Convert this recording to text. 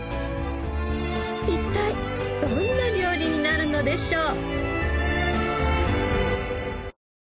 一体どんな料理になるのでしょう？